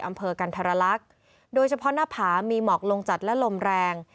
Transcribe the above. อำเภอกันธรรลักษณ์โดยเฉพาะหน้าผามีหมอกลงจัดและลมแรง